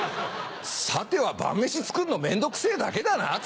さては晩飯作んの面倒くせぇだけだな。